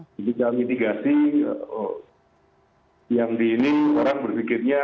jadi kita mitigasi yang di ini orang berpikirnya